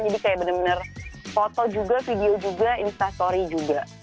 jadi kayak bener bener foto juga video juga instastory juga